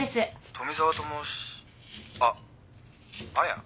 ☎富沢と申しあっ彩？